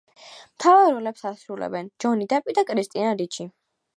მთავარ როლებს ასრულებენ ჯონი დეპი და კრისტინა რიჩი.